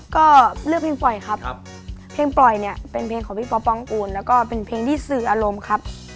ก็เลือกเพลงปล่อยครับเพลงปล่อยเนี่ยเป็นเพลงของพี่ป๊อปปองกูลแล้วก็เป็นเพลงที่สื่ออารมณ์ครับ